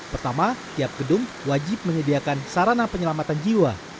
pertama tiap gedung wajib menyediakan sarana penyelamatan jiwa